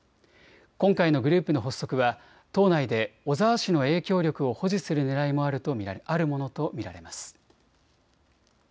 今回のグループの発足は党内で小沢氏の影響力を保持するねらいもあるものと見られます。